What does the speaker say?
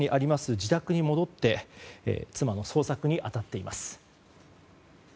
自宅に戻って妻の捜索に当たっています。